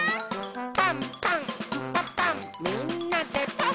「パンパンんパパンみんなでパン！」